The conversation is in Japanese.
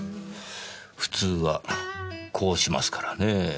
普通はこうしますからねぇ。